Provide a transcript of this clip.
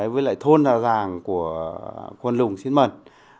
với lại thôn hà giang của quân lùng xín mần